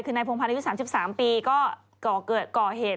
คือในโพงภัณฑ์อายุ๓๓ปีก็ก่อเกิดก่อเหตุ